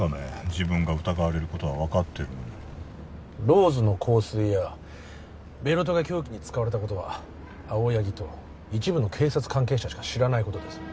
自分が疑われることは分かってるのにローズの香水やベルトが凶器に使われたことは青柳と一部の警察関係者しか知らないことです